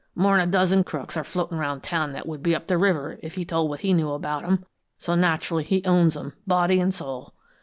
More'n a dozen crooks are floatin' around town that would be up the river if he told what he knew about 'em; so naturally, he owns 'em, body an' soul.